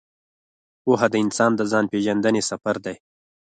پوهه د انسان د ځان پېژندنې سفر دی.